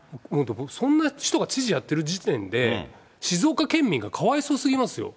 そんな人が知事やってる時点で、静岡県民がかわいそうすぎますよ。